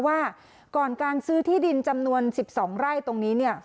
ว่าก่อนการซื้อที่ดินจำนวน๑๒ไร่ตรงนี้เนี่ย